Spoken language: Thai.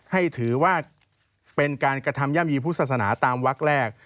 ถือว่าเป็นการกระทำย่ำยีพุทธศาสนาตามวักแรก